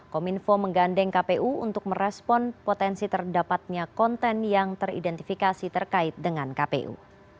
kominfo menggandeng kpu untuk merespon potensi terdapatnya konten yang teridentifikasi terkait dengan kpu